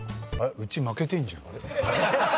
うち負けてんじゃん。